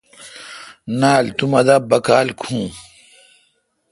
نال تو مہ دا باکال کھو۔